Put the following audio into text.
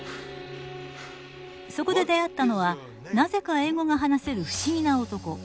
そこで出会ったのはなぜか英語が話せる不思議な男